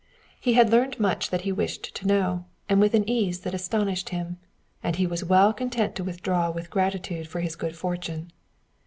He had learned much that he wished to know, and with an ease that astonished him; and he was well content to withdraw with gratitude for his good fortune.